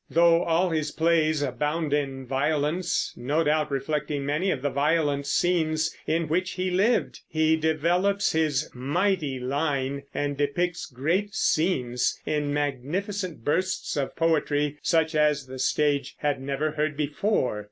Though all his plays abound in violence, no doubt reflecting many of the violent scenes in which he lived, he develops his "mighty line" and depicts great scenes in magnificent bursts of poetry, such as the stage had never heard before.